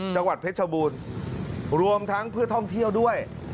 จังหวัดเพชรบูรณ์รวมทั้งเพื่อท่องเที่ยวด้วย